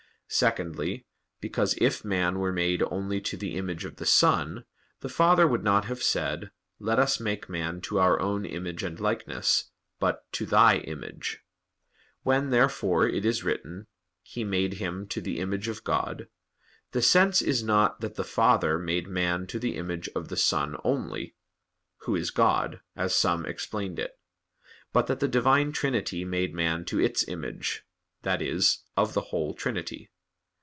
Secondly, because if man were made only to the image of the Son, the Father would not have said, "Let Us make man to Our own image and likeness"; but "to Thy image." When, therefore, it is written, "He made him to the image of God," the sense is not that the Father made man to the image of the Son only, Who is God, as some explained it, but that the Divine Trinity made man to Its image, that is, of the whole Trinity.